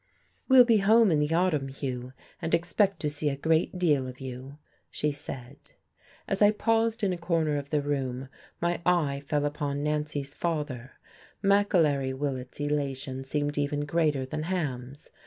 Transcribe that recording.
"We'll be home in the autumn, Hugh, and expect to see a great deal of you," she said. As I paused in a corner of the room my eye fell upon Nancy's father. McAlery Willett's elation seemed even greater than Ham's.